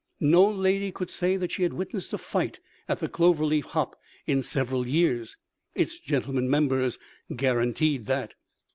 No lady could say that she had witnessed a fight at a Clover Leaf hop in several years. Its gentlemen members guaranteed that.